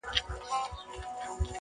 که قتل غواړي، نه یې غواړمه په مخه یې ښه.